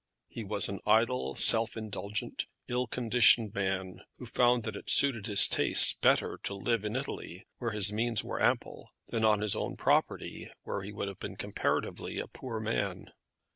He was an idle, self indulgent, ill conditioned man, who found that it suited his tastes better to live in Italy, where his means were ample, than on his own property, where he would have been comparatively a poor man.